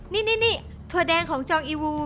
นี่ถั่วแดงของจองอีวู